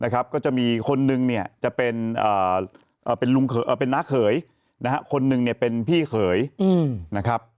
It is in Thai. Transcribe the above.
ก็จะมีคนนึงเนี่ยจะเป็นน้าเขยคนหนึ่งเป็นพี่เขยนะครับ